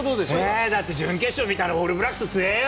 えー、だって準決勝見たら、オールブラックスつえーよ。